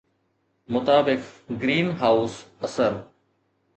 مطابق، greenhouse اثر